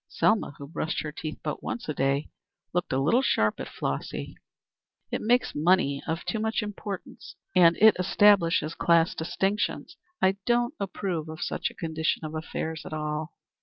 Selma, who brushed her teeth but once a day, looked a little sharp at Flossy. "It makes money of too much importance and it establishes class distinctions. I don't approve of such a condition of affairs at all."